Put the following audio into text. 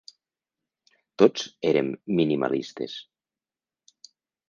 Tots érem minimalistes.